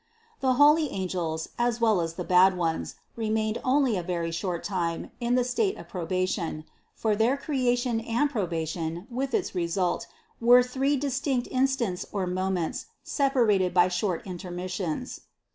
The holy angels, as well as the bad ones, remained only a very short time in the state of proba tion; for their creation and probation with its result were three distinct instants or moments, separated by short intermissions.